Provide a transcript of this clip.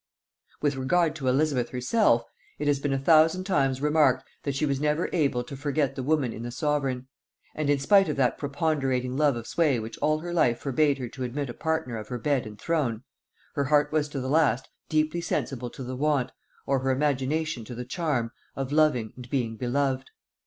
With regard to Elizabeth herself, it has been a thousand times remarked, that she was never able to forget the woman in the sovereign; and in spite of that preponderating love of sway which all her life forbade her to admit a partner of her bed and throne, her heart was to the last deeply sensible to the want, or her imagination to the charm, of loving and being beloved.